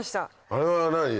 あれは何？